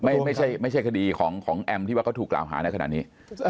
ไม่ใช่คดีของแอมที่ว่าเขาถูกกล่าวหาในขณะนี้